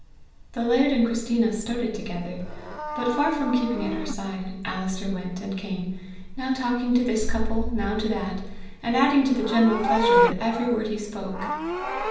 The laird and Christina started together, but, far from keeping at her side, Alister went and came, now talking to this couple, now to that, and adding to the general pleasure with every word he spoke.